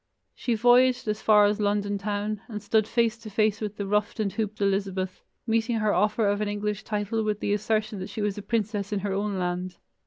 She voyaged as far as London town, and stood face to face with the ruffed and hooped Elizabeth, meeting her offer of an English title with the assertion that she was a princess in her own land.